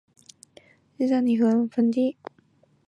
使用人口分布在中叶尼塞河盆地。